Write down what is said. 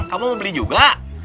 kamu mau beli juga